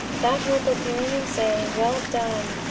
The hope of hearing Him say, Well done!